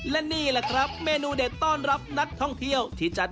และนี่แหละครับเมนูเด็ดต้อนรับนักท่องเที่ยวที่จัด